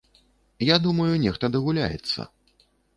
Я думаю, нехта дагуляецца.